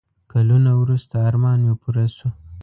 کلونه وروسته ارمان مې پوره شو.